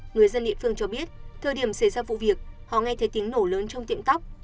người dân địa phương cho biết thời điểm xảy ra vụ việc họ nghe thấy tiếng nổ lớn trong tiệm tóc